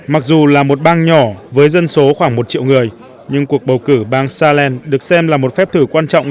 mặc dù là một bang nhỏ với dân số khoảng một triệu người nhưng cuộc bầu cử bang salen được xem là một phép thử quan trọng